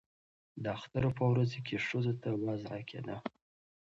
د اختر په ورځو کې ښځو ته وعظ کېده.